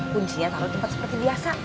kuncinya kalau di tempat seperti biasa